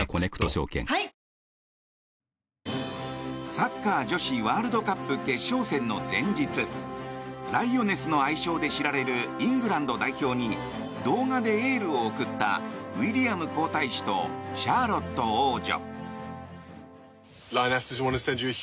サッカー女子ワールドカップ決勝戦の前日ライオネスの愛称で知られるイングランド代表に動画でエールを送ったウィリアム皇太子とシャーロット王女。